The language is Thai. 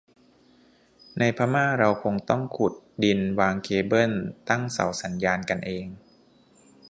ในพม่าเราคงต้องขุดดินวางเคเบิลตั้งเสาสัญญาณกันเอง